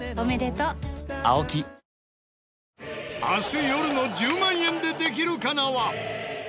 明日よるの『１０万円でできるかな』は。